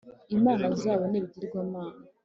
Imana zabo nibigirwamana.